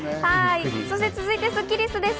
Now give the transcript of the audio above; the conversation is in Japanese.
続いてスッキりすです。